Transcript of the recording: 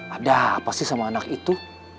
ada apa sih sama anak itu